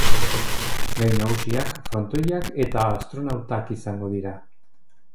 Gai nagusiak frontoiak eta astronautak izango dira.